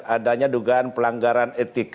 adanya dugaan pelanggaran etika